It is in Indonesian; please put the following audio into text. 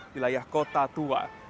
wilayah kota tua